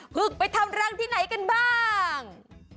พึ่งไปทำรังที่ไหนกันบ้าง